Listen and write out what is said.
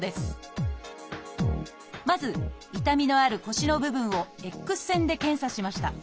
まず痛みのある腰の部分をＸ線で検査しました。